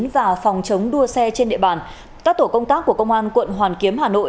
và phòng chống đua xe trên địa bàn các tổ công tác của công an quận hoàn kiếm hà nội